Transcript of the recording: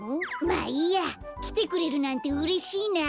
まあいいやきてくれるなんてうれしいな。